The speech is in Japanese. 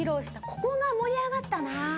ここが盛り上がったなあ